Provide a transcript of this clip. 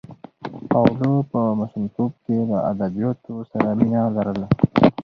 پاولو په ماشومتوب کې له ادبیاتو سره مینه لرله.